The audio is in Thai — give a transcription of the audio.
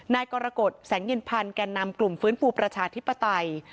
นายกรกฎแสงเย็นพันธ์แก่นำกลุ่มฟื้นฟูประชาธิปไตย